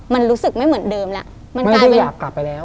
มันรู้สึกไม่เหมือนเดิมแล้วมันกลายเป็นอยากกลับไปแล้ว